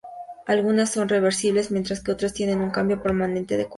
Algunas son reversibles, mientras que otras tienen un cambio permanente de color.